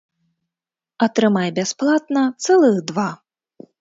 Атрымай бясплатна цэлых два!